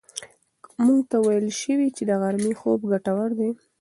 موږ ته ویل شوي چې د غرمې خوب ګټور دی.